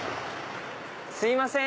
すいません！